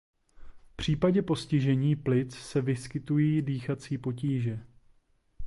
V případě postižení plic se vyskytují dýchací potíže.